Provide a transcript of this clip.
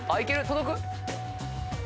届く？